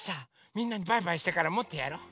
みんなにバイバイしてからもっとやろう！